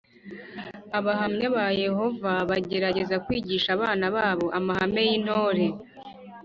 Abahamya ba yehova bagerageza kwigisha abana babo amahame y’intore